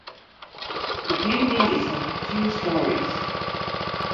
The building is of two storeys.